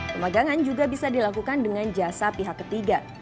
pemagangan juga bisa dilakukan dengan jasa pihak ketiga